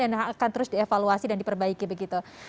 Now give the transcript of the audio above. dan akan terus dievaluasi dan diperbaiki begitu